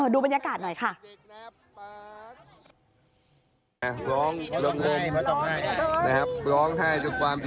ดูบรรยากาศหน่อยค่ะ